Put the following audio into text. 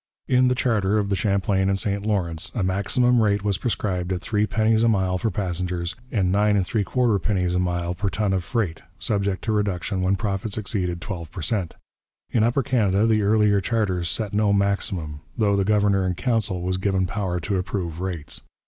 In the charter of the Champlain and St Lawrence a maximum rate was prescribed at 3d. a mile for passengers and 9 3/4d. a mile per ton of freight, subject to reduction when profits exceeded twelve per cent. In Upper Canada the earlier charters set no maximum, though the governor in council was given power to approve rates.